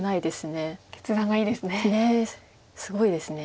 ねえすごいです。